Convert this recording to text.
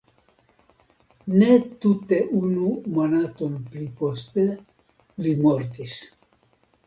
Ne tute unu monaton pli poste li mortis.